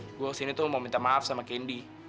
kamu tuh kesini mau minta maaf sama kendi